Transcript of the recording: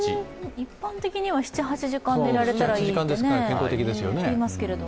一般的には７８時間寝られたらいいと聞きますけど。